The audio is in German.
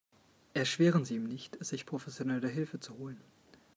Erschweren Sie ihm nicht, sich professionelle Hilfe zu holen.